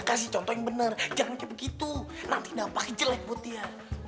kasih contoh yang bener jangan kayak begitu nanti nampaknya jelek buat dia